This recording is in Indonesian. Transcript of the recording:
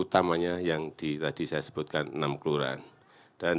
utamanya yang tadi saya sebutkan enam kelurahan